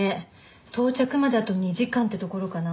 到着まであと２時間ってところかな。